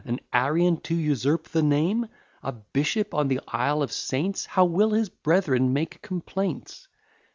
An Arian to usurp the name! A bishop in the isle of saints! How will his brethren make complaints!